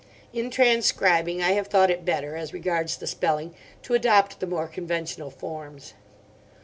In transcribing I have thought it better, as regards the spelling, to adopt the more conventional forms.